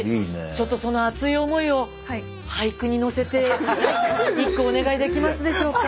ちょっとその熱い思いを俳句に乗せて一句お願いできますでしょうか？